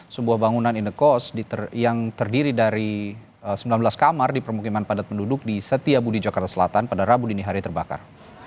sebuah bangunan indekos yang terdiri dari sembilan belas kamar di permukiman padat penduduk di setiabudi jakarta selatan pada rabu dini hari terbakar